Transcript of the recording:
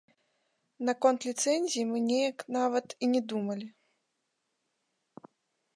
Наконт ліцэнзіі мы неяк нават і не думалі.